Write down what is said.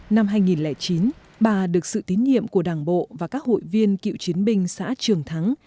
năm hai nghìn chín bà được sự tín nhiệm của đảng bộ và các hội viên cựu chiến binh xã trường thắng